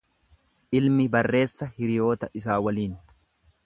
Ilmi barreessa hiriyoota isaa waliin.